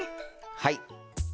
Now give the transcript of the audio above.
はい。